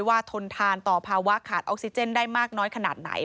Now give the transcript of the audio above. ทนทานต่อภาวะขาดออกซิเจนได้มากน้อยขนาดไหน